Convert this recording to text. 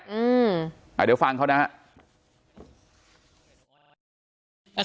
อืมอ่าเดี๋ยวฟังเขานะฮะ